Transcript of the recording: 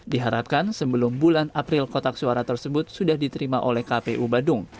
diharapkan sebelum bulan april kotak suara tersebut sudah diterima oleh kpu badung